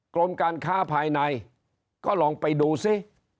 กรมการค้าภายในก็ลองไปดูซิ